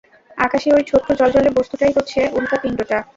আকাশে অই ছোট্ট জ্বলজ্বলে বস্তুটাই হচ্ছে উল্কাপিন্ডটা!